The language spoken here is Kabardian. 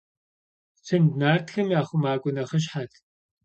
Щынд нартхэм я хъумакӀуэ нэхъыщхьэт.